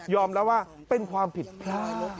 ยอมแล้วว่าเป็นความผิดพระ